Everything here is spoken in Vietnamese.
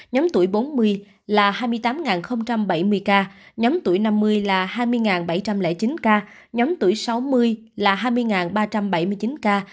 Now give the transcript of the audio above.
nhóm tuổi bốn mươi là hai mươi tám bảy mươi ca nhóm tuổi năm mươi là hai mươi bảy trăm linh chín ca nhóm tuổi sáu mươi là hai mươi ba trăm bảy mươi chín ca